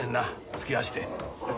つきあわして。